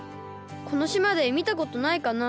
このしまでみたことないかな？